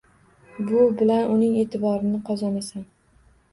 Bu bilan uning e’tiborini qozonasan.